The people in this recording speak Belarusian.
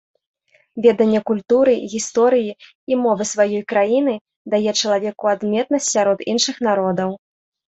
Веданне культуры, гісторыі і мовы сваёй краіны дае чалавеку адметнасць сярод іншых народаў.